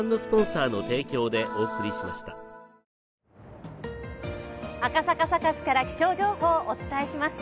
サカスから気象情報をお伝えします。